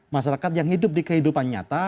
masyarakat yang hidup di kehidupan nyata